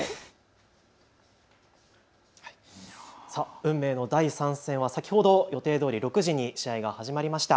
運命の第３戦は先ほど予定どおり６時に試合が始まりました。